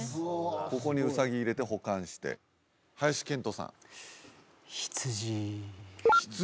ここにウサギ入れて保管して林遣都さん羊羊？